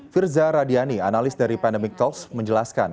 firza radiani analis dari pandemic talks menjelaskan